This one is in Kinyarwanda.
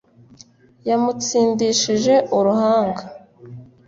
yamutsindishije uruhanga